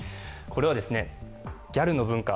これは、ギャルの文化